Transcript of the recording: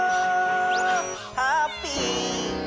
「ハッピー」